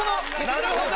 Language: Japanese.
なるほど！